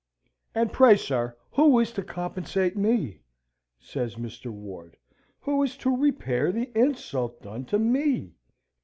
"And pray, sir, who is to compensate me?" says Mr. Ward; "who is to repair the insult done to me?"